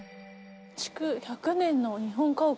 築１００年の日本家屋。